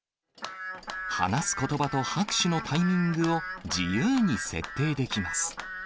話すことばと拍手のタイミングを自由に設定できます。